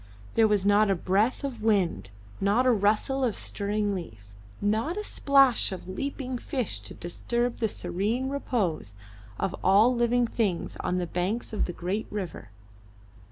There was not a breath of wind, not a rustle of stirring leaf, not a splash of leaping fish to disturb the serene repose of all living things on the banks of the great river.